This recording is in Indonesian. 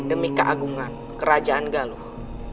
demi keagungan kerajaan galuh